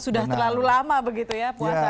sudah terlalu lama begitu ya puasa